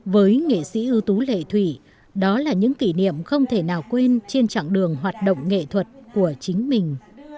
với nghệ sĩ ưu tú lệ thủy đó là những kỷ niệm không thể nào quên trên chặng đường hoạt động nghệ thuật của chính mình